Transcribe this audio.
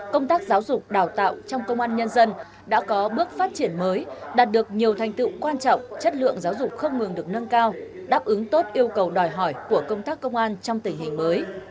công tác giáo dục đào tạo trong công an nhân dân đã có bước phát triển mới đạt được nhiều thành tựu quan trọng chất lượng giáo dục không ngừng được nâng cao đáp ứng tốt yêu cầu đòi hỏi của công tác công an trong tình hình mới